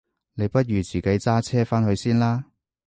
你不如自己揸車返去先啦？